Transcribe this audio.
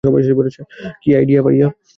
কী idea, ভাইয়া!